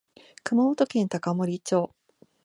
熊本県高森町